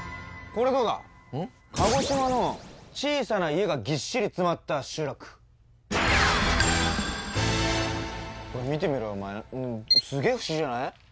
これどうだ鹿児島の小さな家がぎっしり詰まった集落見てみろよおまえすげえ不思議じゃない？